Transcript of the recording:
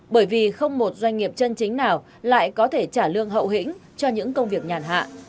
bởi vì không một doanh nghiệp chân chính nào lại có thể trả lương hậu hĩnh cho những công việc nhàn hạ